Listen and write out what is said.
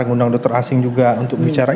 mengundang dokter asing juga untuk bicara ini